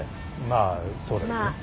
まあそうね。